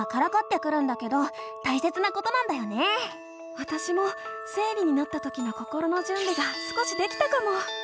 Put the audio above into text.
わたしも生理になったときの心のじゅんびが少しできたかも。